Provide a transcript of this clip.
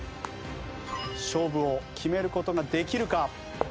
勝負を決める事ができるか？